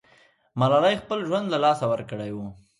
ملالۍ خپل ژوند له لاسه ورکړی وو.